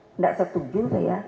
tidak setuju saya